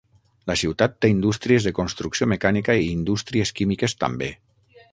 La ciutat té indústries de construcció mecànica i indústries químiques també.